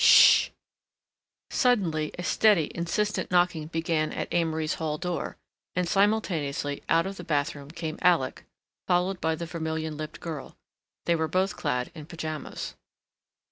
"Sh!" Suddenly a steady, insistent knocking began at Amory's hall door and simultaneously out of the bathroom came Alec, followed by the vermilion lipped girl. They were both clad in pajamas.